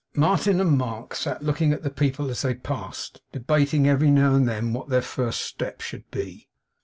Martin and Mark sat looking at the people as they passed, debating every now and then what their first step should be.